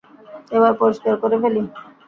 এবার পরিস্কার করে ফেলি।